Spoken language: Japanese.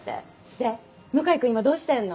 で向井君今どうしてんの？